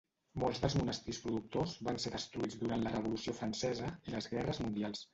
Molts dels monestirs productors van ser destruïts durant la Revolució Francesa i les guerres mundials.